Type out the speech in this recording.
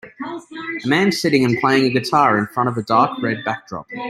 A man sitting and playing a guitar in front of a dark red backdrop.